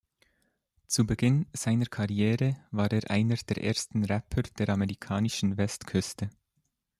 Zu Beginn seiner Karriere war er einer der ersten Rapper der amerikanischen Westküste.